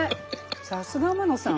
さすが天野さん。